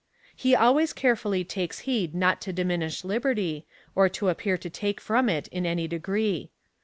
He always care fully takes heed not to diminish liberty, or to appear to take from it in any degree.